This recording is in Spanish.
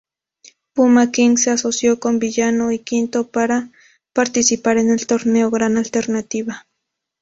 Puma King se asoció con Villano V para participar en el Torneo Gran Alternativa.